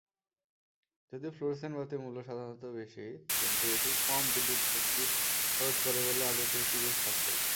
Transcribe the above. যদিও ফ্লুরোসেন্ট বাতির মূল্য সাধারণত বেশি, কিন্তু এটি কম বিদ্যুৎ শক্তি খরচ করে বলে আদতে এটি বেশ সাশ্রয়ী।